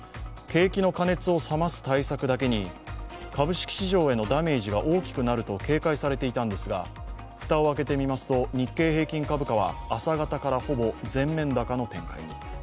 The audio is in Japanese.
景気の過熱を冷ます対策だけに株式市場へのダメージが大きくなると警戒されていたんですが蓋を開けてみますと、日経平均株価は朝方からほぼ全面高の展開に。